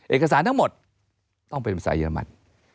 เอกสารทั้งหมดต้องเป็นภาษาเยอรมัน